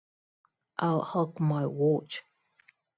I'll hock my watch.